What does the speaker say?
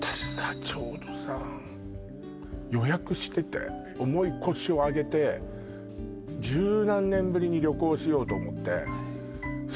ちょうどさ予約してて重い腰を上げて十何年ぶりに旅行しようと思ってそ